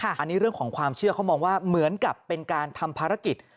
อันนี้เรื่องของความเชื่อเขามองว่าเหมือนกับเป็นการทำภารกิจ